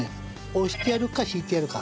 押してやるか引いてやるか。